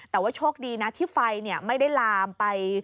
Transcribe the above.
แต่ว่าโชคดีนะที่ไฟไม่ได้ลามไป